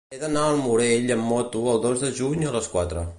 He d'anar al Morell amb moto el dos de juny a les quatre.